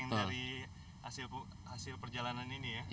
yang dari hasil perjalanan ini ya